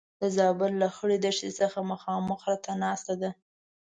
د زابل له خړې دښتې څخه مخامخ راته ناسته ده.